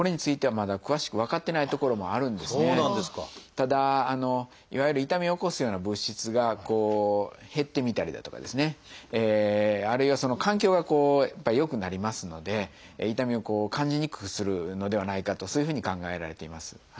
ただいわゆる痛みを起こすような物質が減ってみたりだとかですねあるいは環境が良くなりますので痛みを感じにくくするのではないかとそういうふうに考えられています。